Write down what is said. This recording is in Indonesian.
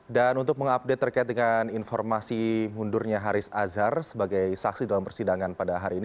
dan untuk mengupdate terkait dengan informasi mundurnya haris azhar sebagai saksi dalam persidangan pada hari ini